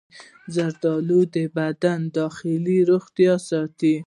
زردآلو د بدن داخلي روغتیا ساتي.